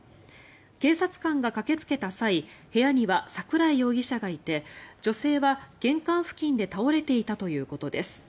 警察官が駆けつけた際部屋には櫻井容疑者がいて女性は玄関付近で倒れていたということです。